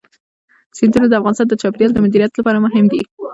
سیندونه د افغانستان د چاپیریال د مدیریت لپاره مهم دي.